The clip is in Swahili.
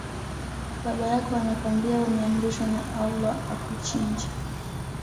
Baba yako anakwambia ameamrishwa na Allah akuchinje